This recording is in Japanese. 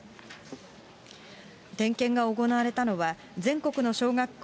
点検が行われたのは、全国の小学校